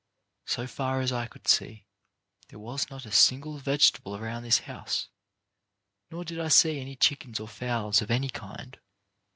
So far as I could see there was not a single vegetable around this house, nor did I see any chickens or fowls of any kind.